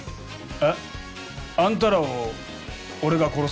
えっ？あんたらを俺が殺すの？